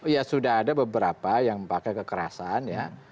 ya sudah ada beberapa yang pakai kekerasan ya